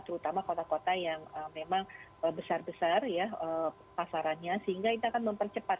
terutama kota kota yang memang besar besar ya pasarannya sehingga itu akan mempercepat